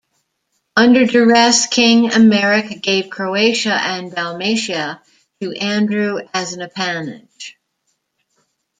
Under duress, King Emeric gave Croatia and Dalmatia to Andrew as an appanage.